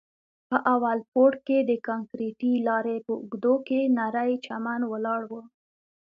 په اول پوړ کښې د کانکريټي لارې په اوږدو کښې نرى چمن ولاړ و.